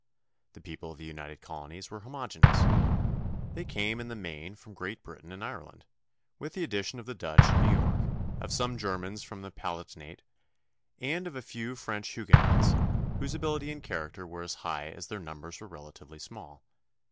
The people of the United Colonies were homogeneous. They came in the main from Great Britain and Ireland, with the addition of the Dutch in New York, of some Germans from the Palatinate, and of a few French Huguenots whose ability and character were as high as their numbers were relatively small.